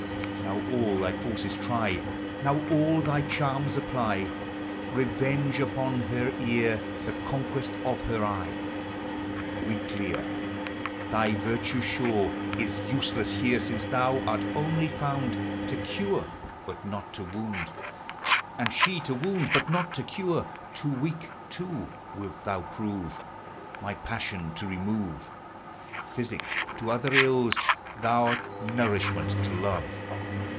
Now all thy forces try ; Now all thy charms apply ; Revenge upon her ear the conquests of her eye. Weak Lyre ! thy virtue sure Is useless here, since thou art only found To cure, but not to wound, And she to wound, but not to cure. Too Aveak, too, wilt thou prove My passion to remove ; Physic to other ills, thou 'rt nourishment to love.